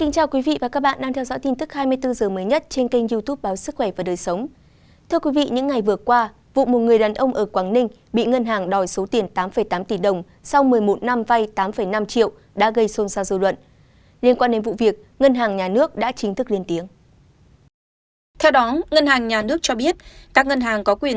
các bạn hãy đăng ký kênh để ủng hộ kênh của chúng mình nhé